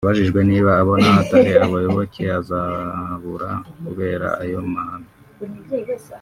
Abajijwe niba abona hatari abayoboke azabura kubera ayo mahame